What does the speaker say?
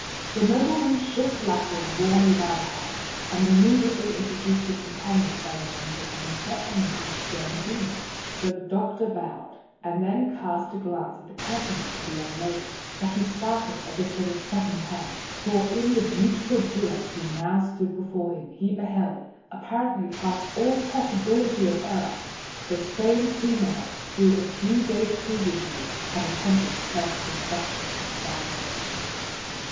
The nobleman shook Lascelles warmly by the hand, and immediately introduced his companions by the names of Mr. and Miss de Medina. The doctor bowed, and then cast a glance at the countenance of the young lady: but he started as if with a sudden pang,—for in the beautiful Jewess who now stood before him, he beheld—apparently past all possibility of error—the same female who a few days previously had attempted self destruction in South Moulton Street.